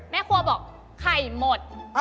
แม่ครัวบอกไข่หมด